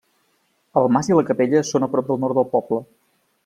El mas i la capella són a prop al nord del poble.